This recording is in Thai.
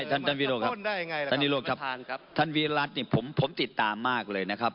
ท่านท่านวิโรธครับท่านนิโรธครับท่านวิรัตินี่ผมติดตามมากเลยนะครับ